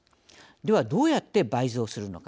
では、どうやって倍増するのか。